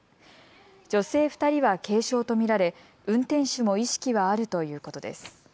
女性２人は軽傷と見られ運転手も意識はあるということです。